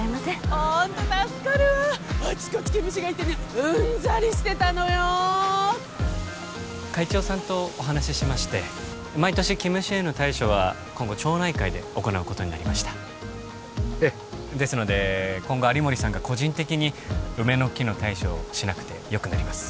ホント助かるわあちこち毛虫がいてねうんざりしてたのよ会長さんとおはなししまして毎年毛虫への対処は今後町内会で行うことになりましたええですので今後有森さんが個人的に梅の木の対処をしなくてよくなります